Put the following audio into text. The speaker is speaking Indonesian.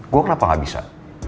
gua kenapa gak bisa